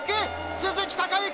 鈴木孝幸